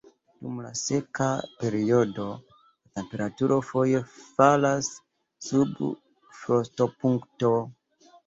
Dum la seka periodo la temperaturo foje falas sub frostopunkto.